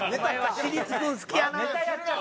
「尻つくん好きやな」